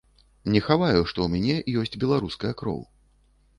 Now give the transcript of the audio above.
Не хаваю, што ў мяне ёсць беларуская кроў.